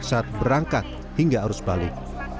saat berangkat hingga arus balik